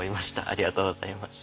ありがとうございます。